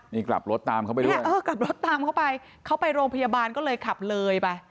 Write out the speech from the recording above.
นี่กลับรถตามเขาไปด้วยเออกลับรถตามเขาไปเขาไปโรงพยาบาลก็เลยขับเลยไป